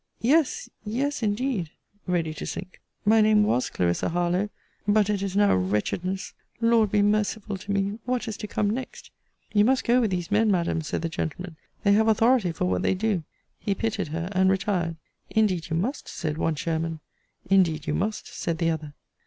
Yes, yes, indeed, ready to sink, my name was Clarissa Harlowe: but it is now Wretchedness! Lord be merciful to me, what is to come next? You must go with these men, Madam, said the gentleman: they have authority for what they do. He pitied her, and retired. Indeed you must, said one chairman. Indeed you must, said the other.